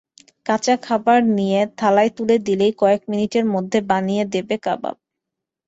কাঁচা খাবার নিয়ে থালায় তুলে দিলেই কয়েক মিনিটের মধ্যে বানিয়ে দেবে কাবাব।